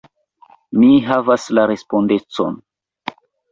Mi havas la respondecon!